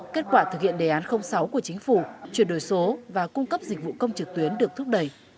kết quả thực hiện đề án sáu của chính phủ chuyển đổi số và cung cấp dịch vụ công trực tuyến được thúc đẩy